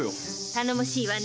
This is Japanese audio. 頼もしいわね。